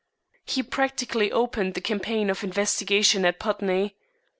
He practically opened the campaign of investigation at Putney.